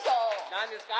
何ですか？